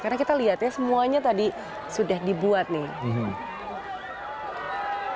karena kita lihatnya semuanya tadi sudah dibuat nih